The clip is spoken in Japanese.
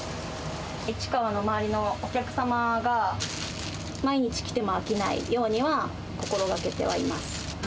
市川の周りのお客様が、毎日来ても飽きないようには心がけてはいます。